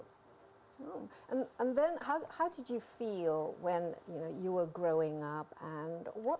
kebaikan saya seperti yang kita lihat